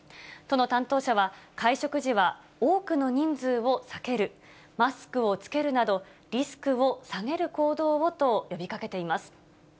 都の担当者は、会食時は多くの人数を避ける、マスクを着けるなど、リスクを下げる行動をと呼びかけています。